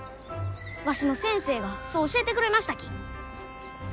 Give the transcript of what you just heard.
わしの先生がそう教えてくれましたき。